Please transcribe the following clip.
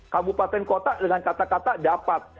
kabupaten kota dengan kata kata dapat